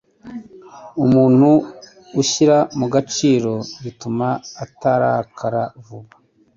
Umuntu ushyira mu gaciro bituma atarakara vuba